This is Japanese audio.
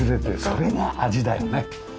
それが味だよね。